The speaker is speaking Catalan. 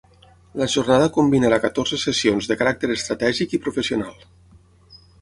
La jornada combinarà catorze sessions de caràcter estratègic i professional.